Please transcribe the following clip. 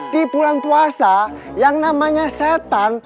di bulan puasa yang namanya setan